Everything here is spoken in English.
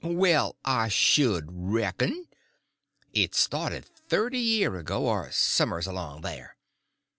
"Well, I should reckon! It started thirty year ago, or som'ers along there.